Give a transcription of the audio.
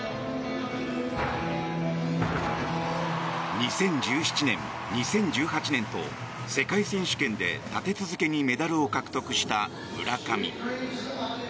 ２０１７年、２０１８年と世界選手権で立て続けにメダルを獲得した村上。